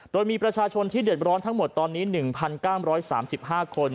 โดยมีประชาชนที่เดือดร้อนทั้งหมดตอนนี้๑๙๓๕คน